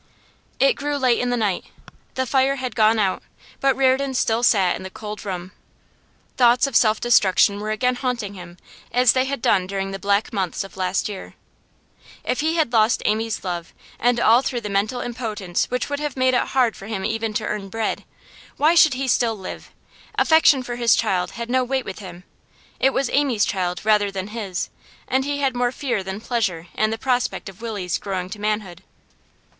It grew late in the night. The fire had gone out, but Reardon still sat in the cold room. Thoughts of self destruction were again haunting him, as they had done during the black months of last year. If he had lost Amy's love, and all through the mental impotence which would make it hard for him even to earn bread, why should he still live? Affection for his child had no weight with him; it was Amy's child rather than his, and he had more fear than pleasure in the prospect of Willie's growing to manhood.